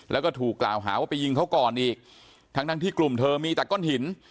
แล้วก็ถูกกล่าวหาว่าไปยิงเขาก่อนอีกทั้งทั้งที่กลุ่มเธอมีแต่ก้อนหิน